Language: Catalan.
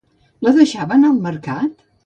La deixava anar al mercat?